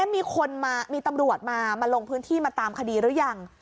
มีคนมามีตำรวจมามาลงพื้นที่มาตามคดีหรือยัง